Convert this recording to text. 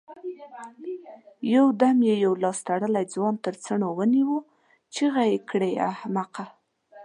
يودم يې يو لاس تړلی ځوان تر څڼو ونيو، چيغه يې کړه! احمقه!